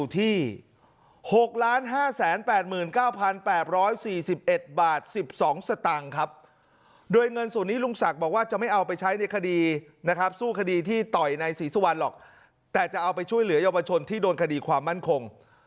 แต่จะเอาไปช่วยเหลือเยาวชนที่โดนคดีความมั่นคง